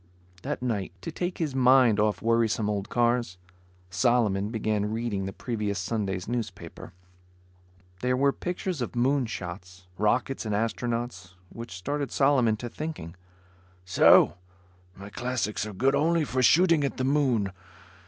That night, to take his mind off worrisome old cars, Solomon began reading the previous Sunday's newspaper. There were pictures of moon shots, rockets and astronauts, which started Solomon to thinking; "So, my classics are good only for shooting at the moon.